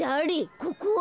ここは？